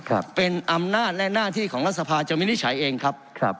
ครับเป็นอำนาจและหน้าที่ของรัฐสภาจะวินิจฉัยเองครับครับ